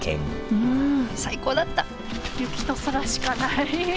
うん最高だった雪と空しかない。